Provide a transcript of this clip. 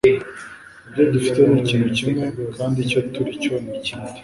Ibyo dufite ni ikintu kimwe kandi icyo turi cyo ni ikindi.